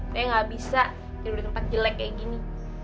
re gak bisa tidur di tempat jelek kayak gini